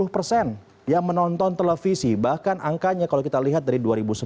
lima puluh persen yang menonton televisi bahkan angkanya kalau kita lihat dari dua ribu sembilan belas